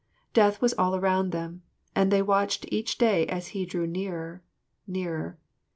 Death was all around them, and they watched each day as he drew nearer nearer.